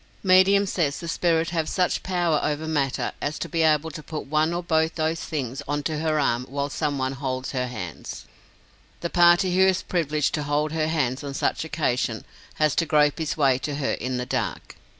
Medium says the spirits have such power over matter as to be able to put one or both those things on to her arm while some one holds her hands. The party who is privileged to hold her hands on such occasion, has to grope his way to her in the dark.